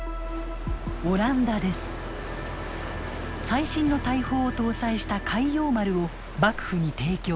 最新の大砲を搭載した開陽丸を幕府に提供。